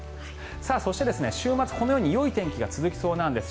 そして、週末、このようによい天気が続きそうなんです。